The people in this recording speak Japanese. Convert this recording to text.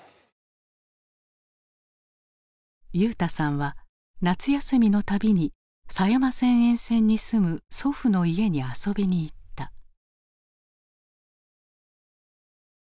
裕大さんは夏休みの度に狭山線沿線に住む祖父の家に遊びに行った。